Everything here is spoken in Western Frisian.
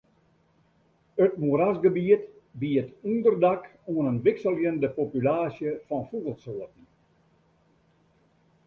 It moerasgebiet biedt ûnderdak oan in wikseljende populaasje fan fûgelsoarten.